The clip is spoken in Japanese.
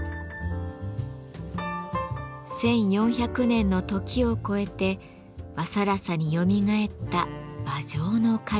１，４００年の時を超えて和更紗によみがえった馬上の狩人。